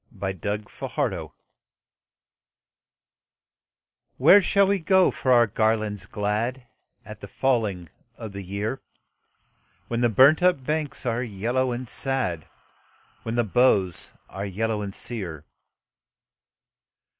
A Song of Autumn "Where shall we go for our garlands glad At the falling of the year, When the burnt up banks are yellow and sad, When the boughs are yellow and sere?